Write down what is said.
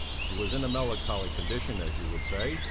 He was in a melancholy condition, as you would say.